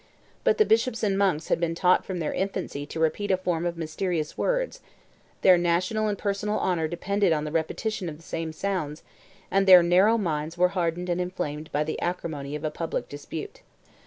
But the bishops and monks had been taught from their infancy to repeat a form of mysterious words: their national and personal honor depended on the repetition of the same sounds; and their narrow minds were hardened and inflamed by the acrimony of a public dispute.